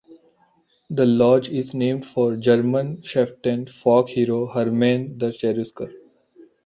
The lodge is named for German chieftain folk hero Hermann the Cherusker.